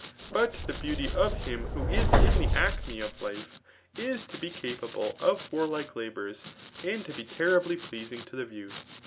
. But the beauty of hini ^iio is in the acme of life^ is to be capable of wadfte laboiitB, and to be terribly pleasing to the view.